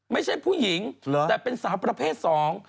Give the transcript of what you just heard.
ไม่ใช่ผู้หญิงแต่เป็นสาวประเภทสอง